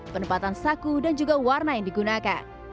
penempatan saku dan juga warna yang digunakan